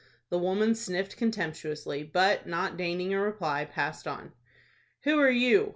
The woman sniffed contemptuously, but, not deigning a reply, passed on. "Who are you?"